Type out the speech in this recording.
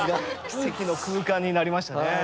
奇跡の空間になりましたね。